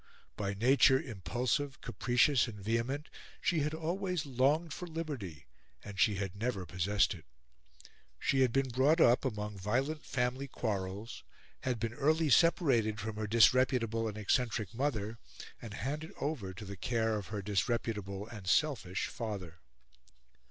By nature impulsive, capricious, and vehement, she had always longed for liberty; and she had never possessed it. She had been brought up among violent family quarrels, had been early separated from her disreputable and eccentric mother, and handed over to the care of her disreputable and selfish father.